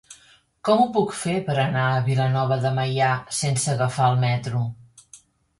Com ho puc fer per anar a Vilanova de Meià sense agafar el metro?